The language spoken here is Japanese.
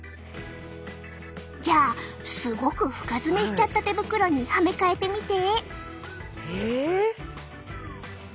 じゃあすごく深爪しちゃった手袋にはめ替えてみて。